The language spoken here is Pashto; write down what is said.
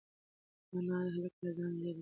انا هلک له ځانه لرې کړ.